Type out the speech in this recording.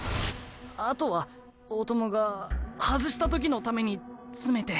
あとは大友が外した時のために詰めて。